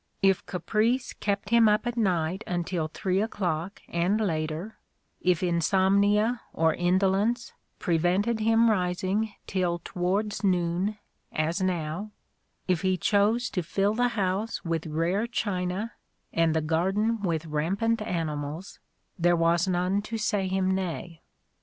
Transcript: If caprice kept him up at night untill three o'clock and later : if insomnia, or indolence, prevented him rising till towards noon, as now : if he chose to fill the house with rare china, and the garden with rampant animals, there was none to say him nay.